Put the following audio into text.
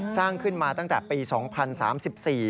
สร้างขึ้นมาตั้งแต่ปี๒๐๓๔